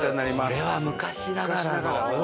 これは昔ながらの！